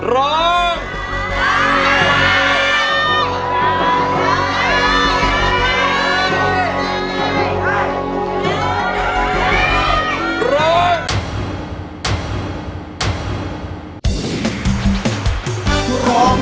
เรี๋ยว